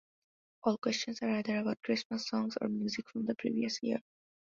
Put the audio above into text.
All questions are either about Christmas songs, or music from the previous year.